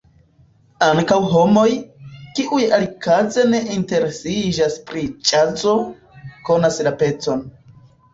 Ankaŭ homoj, kiuj alikaze ne interesiĝas pri ĵazo, konas la pecon.